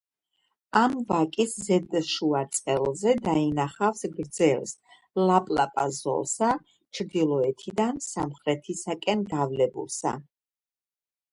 ამ ვაკის ზედშუა წელზე დაინახავს გრძელს ლაპლაპა ზოლსა, ჩრდილოეთიდან სამხრეთისაკენ გავლებულსა.